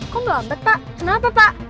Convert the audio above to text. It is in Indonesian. kok lambat pak kenapa pak